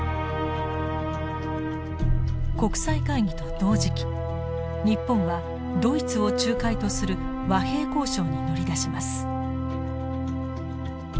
国際会議と同時期日本はドイツを仲介とする和平交渉に乗り出します。